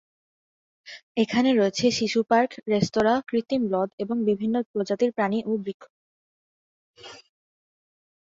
এখানে রয়েছে শিশু পার্ক, রেস্তোরা, কৃত্রিম হ্রদ এবং বিভিন্ন প্রজাতির প্রাণী ও বৃক্ষ।